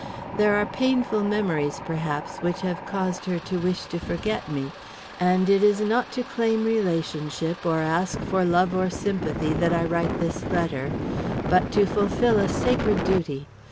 There are painful memories, perhaps, which have caused her to wish to forget me, and it is not to claim relationship or ask for love or sympathy that I write this letter, but to fulfil a sacred duty.